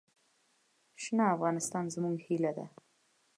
شنه افغانستان زموږ هیله ده.